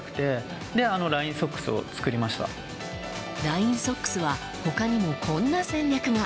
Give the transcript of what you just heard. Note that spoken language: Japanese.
ラインソックスは他にも、こんな戦略が。